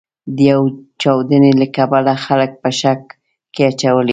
د یوې چاودنې له کبله خلک په شک کې اچولي.